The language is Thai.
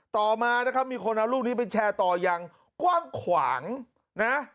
ต่อมานะครับมีคนเอารูปนี้ไปแชร์ต่ออย่างกว้างขวางนะ